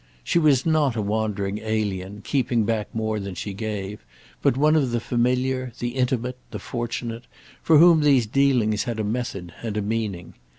She was not a wandering alien, keeping back more than she gave, but one of the familiar, the intimate, the fortunate, for whom these dealings had a method and a meaning.